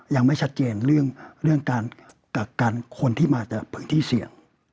ยังไม่ชัดเจนเรื่องการกักกันคนที่มาจากพื้นที่เสี่ยง